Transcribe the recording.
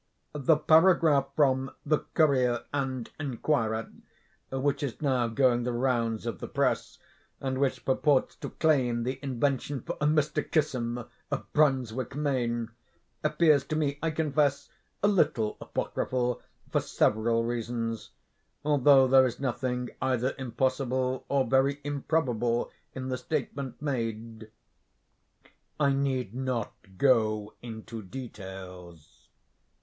The paragraph from the 'Courier and Enquirer,' which is now going the rounds of the press, and which purports to claim the invention for a Mr. Kissam, of Brunswick, Maine, appears to me, I confess, a little apocryphal, for several reasons; although there is nothing either impossible or very improbable in the statement made. I need not go into details.